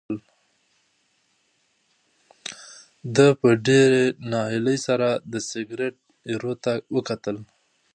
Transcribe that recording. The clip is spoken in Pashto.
ده په ډېرې ناهیلۍ سره د سګرټ ایرو ته وکتل.